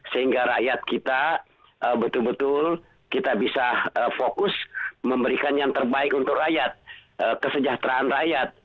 sehingga rakyat kita betul betul kita bisa fokus memberikan yang terbaik untuk rakyat kesejahteraan rakyat